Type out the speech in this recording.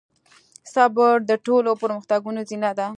صبر د ټولو پرمختګونو زينه ده.